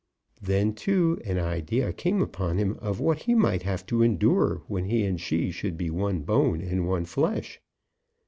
Then, too, an idea came upon him of what he might have to endure when he and she should be one bone and one flesh.